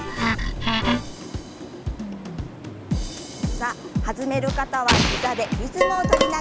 さあ弾める方は膝でリズムを取りながら。